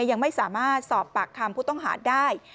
ยังไม่สามารถสอบปากคำผู้ต้องหาได้